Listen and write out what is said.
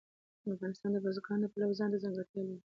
افغانستان د بزګان د پلوه ځانته ځانګړتیا لري.